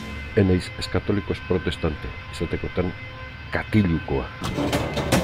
Ez naiz ez katoliko ez protestante; izatekotan katilukoa.